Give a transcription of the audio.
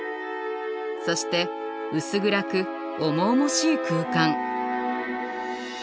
そして薄暗く重々しい空間。